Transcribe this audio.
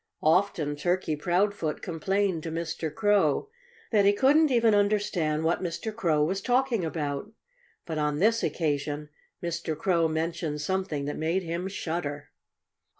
Often Turkey Proudfoot complained to Mr. Crow that he couldn't even understand what Mr. Crow was talking about. But on this occasion Mr. Crow mentioned something that made him shudder.